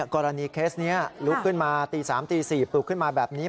กรณีเคสนี้ลุกขึ้นมาตี๓ตี๔ปลุกขึ้นมาแบบนี้